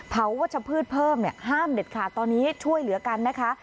วัชพืชเพิ่มเนี่ยห้ามเด็ดขาดตอนนี้ช่วยเหลือกันนะคะ